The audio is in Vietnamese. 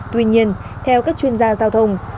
tuy nhiên theo các chuyên gia giao thông